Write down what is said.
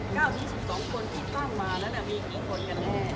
๙นี้๑๒คนที่ตั้งมาแล้วมีกี่คนกันแน่